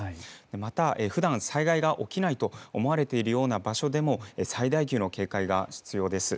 またふだん災害が起きないと思われているような場所でも、最大級の警戒が必要です。